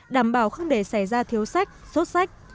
đảm bảo không để xảy ra thiếu sách sốt sách